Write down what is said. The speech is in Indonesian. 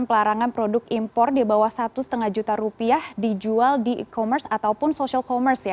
selamat pagi mas vicky